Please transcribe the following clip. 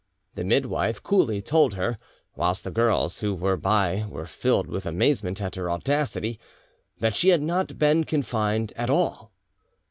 The midwife coolly told her, whilst the girls who were by were filled with amazement at her audacity, that she had not been confined at all.